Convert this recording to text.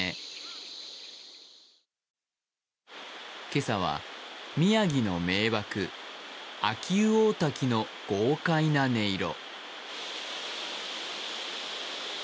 今朝は宮城の名ばく、秋保大滝の豪快な音色。